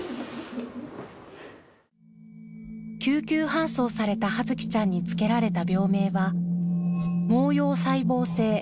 救急搬送された葉月ちゃんにつけられた病名は。